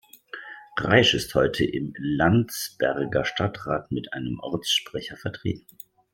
Reisch ist heute im Landsberger Stadtrat mit einem Ortssprecher vertreten.